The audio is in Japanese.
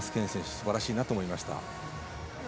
すばらしいなと思いました。